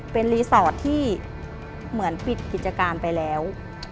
เป็นรีสอร์ทที่เหมือนปิดกิจการไปแล้ว